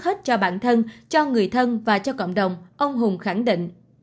hết cho bản thân cho người thân và cho cộng đồng ông hùng khẳng định